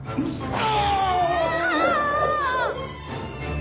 あ。